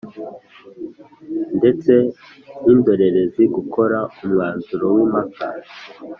ndetse n’indorerezi gukora umwanzuro w’impaka